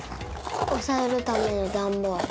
おさえるためのダンボール。